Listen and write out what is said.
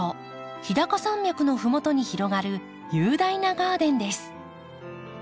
日高山脈のふもとに広がる雄大なガーデンです。